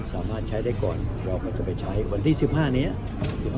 สามารถใช้ได้ก่อนเราก็จะไปใช้วันที่๑๕นี้